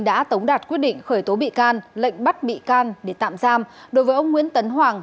đã tống đạt quyết định khởi tố bị can lệnh bắt bị can để tạm giam đối với ông nguyễn tấn hoàng